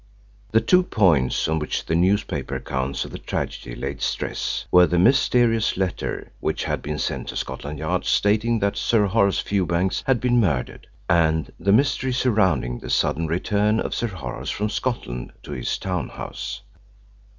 The two points on which the newspaper accounts of the tragedy laid stress were the mysterious letter which had been sent to Scotland Yard stating that Sir Horace Fewbanks had been murdered, and the mystery surrounding the sudden return of Sir Horace from Scotland to his town house.